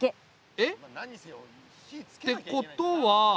えっ？てことは。